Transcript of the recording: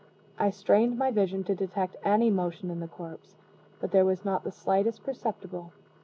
I strained my vision to detect any motion in the corpse but there was not the slightest perceptible.